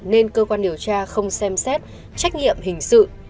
nên cơ quan điều tra không xem xét trách nhiệm hình sự